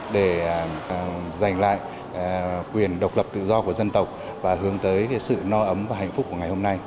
để giành lại quyền độc lập tự do của dân tộc và hướng tới sự no ấm và hạnh phúc của ngày hôm nay